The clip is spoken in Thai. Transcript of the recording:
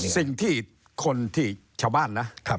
สิ่งที่คนที่ชาวบ้านนะ